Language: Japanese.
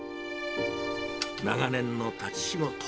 長年の立ち仕事。